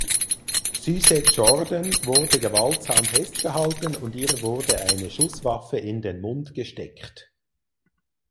Suzette Jordan wurde gewaltsam festgehalten und ihr wurde eine Schusswaffe in den Mund gesteckt.